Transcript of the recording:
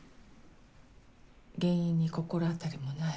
原因に心当たりもない？